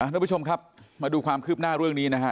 ทุกผู้ชมครับมาดูความคืบหน้าเรื่องนี้นะฮะ